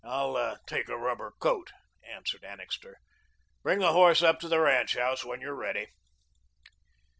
"I'll take a rubber coat," answered Annixter. "Bring the horse up to the ranch house when you're ready."